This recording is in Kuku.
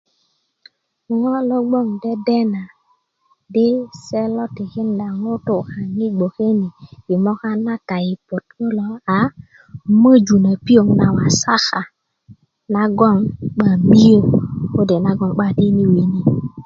ŋo logon dedena di se lo tikinda ŋutu i bgwoke ni i moka na taypot kulo a möju na piöŋ na wasaka nagon 'ba miyö kode nagon 'ba tini wini